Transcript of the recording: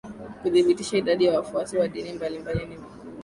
Kuthibitisha idadi ya wafuasi wa dini mbalimbali ni vigumu